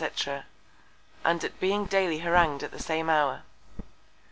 _ and at being daily harangu'd at the same Hour.